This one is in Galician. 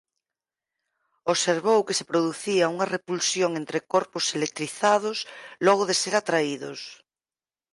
Observou que se producía unha repulsión entre corpos electrizados logo de ser atraídos.